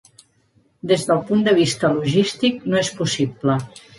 Des del punt de vista logístic, no és possible.